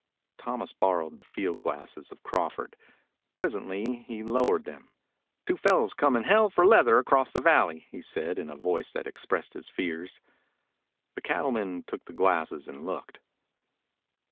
Thomas borrowed the field glasses of Crawford. Presently he lowered them. "Two fellows comin' hell for leather across the valley," he said in a voice that expressed his fears. The cattleman took the glasses and looked.